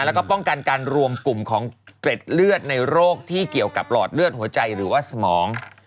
แล้วก็ป้องกันการรวมกลุ่มของเกร็ดเลือดในโรคที่เกี่ยวกับหลอดเลือดหัวใจหรือว่าสมอง